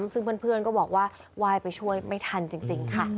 ซึ่งเพื่อนก็บอกว่าไหว้ไปช่วยไม่ทันจริงค่ะ